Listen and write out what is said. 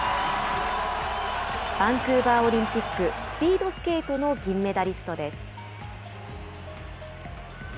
バンクーバーオリンピックスピードスケートの銀メダリストです。